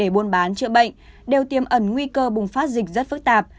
buôn bán chữa bệnh đều tiêm ẩn nguy cơ bùng phát dịch rất phức tạp